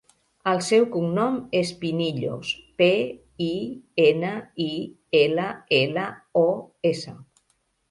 El seu cognom és Pinillos: pe, i, ena, i, ela, ela, o, essa.